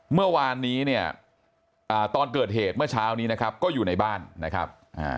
เมื่อวานนี้เนี่ยตอนเกิดเหตุเมื่อเช้านี้นะครับก็อยู่ในบ้านนะครับ